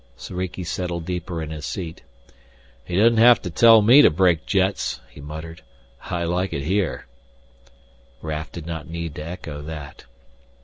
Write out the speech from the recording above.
Soriki settled deeper in his seat. "He doesn't have to tell me to brake jets," he muttered. "I like it here " Raf did not need to echo that.